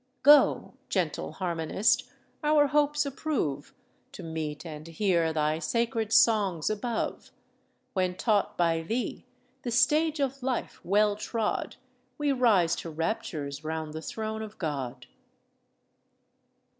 ... Go, gentle harmonist! our hopes approve, To meet and hear thy sacred songs above; When taught by thee, the stage of life well trod, We rise to raptures round the throne of God."